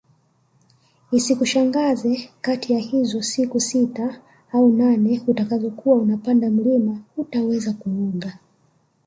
Isikushangaze kati ya hizo siku sita au nane utakazo kuwa unapanda mlima hutaweza kuoga